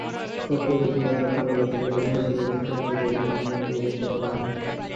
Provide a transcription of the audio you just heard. চাঁদপুরের দক্ষিণ মতলব থানার লক্ষ্মীপুরে অভিযান চালিয়ে পাচারকারী জহির আহাম্মেদকে গ্রেপ্তার করা হয়।